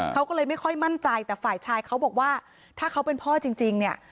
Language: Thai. เขาก็เลยไม่ค่อยมั่นใจแต่ฝ่ายชายเขาบอกว่าถ้าเขาเป็นพ่อจริงเนี่ย